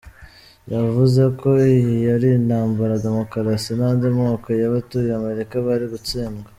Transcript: Yavuze ko iyi ari intambara demokarasi n’andi moko y’abatuye Amerika bari gutsindwa.